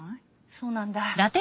そうなんだ。